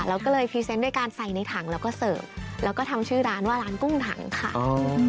แล้วก็เลยพรีเซนต์ด้วยการใส่ในถังแล้วก็เสิร์ฟแล้วก็ทำชื่อร้านว่าร้านกุ้งถังค่ะ